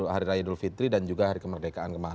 hari raya idul fitri dan juga hari kemerdekaan kemarin